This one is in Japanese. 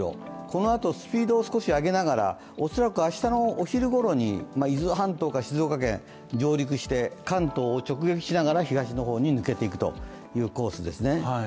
このあとスピードを少し上げながら恐らく明日のお昼ごろに伊豆半島か静岡県に上陸して関東を直撃しながら東の方に抜けていくというコースですね。